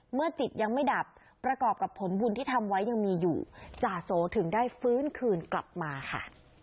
เมื่อจิตยังไม่ดับประกอบกับผลบุญที่ทำไว้ยังมีอยู่จ่าโสถึงได้ฟื้นคืนกลับมาค่ะ